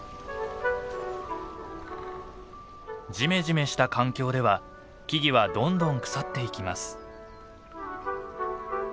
ジメジメした環境では木々はどんどん腐っていきます。